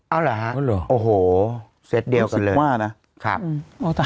เอาล่ะฮะโอ้โหเสร็จเดียวกันเลยคือสิกว่านะครับอืม